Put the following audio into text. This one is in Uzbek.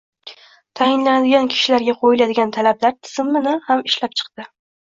Tayinlanadigan kishilarga qo'yiladigan talablar tizimini ham ishlab chiqdi.